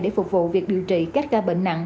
để phục vụ việc điều trị các ca bệnh nặng